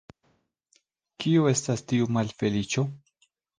Kio estas tiu malfeliĉo?